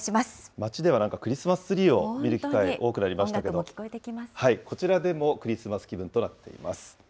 街ではなんかクリスマスツリーを見る機会多くなりましたけど、こちらでもクリスマス気分となっています。